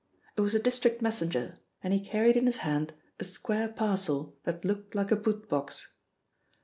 It was a district messenger, and he carried in his hand a square parcel that looked like a boot box.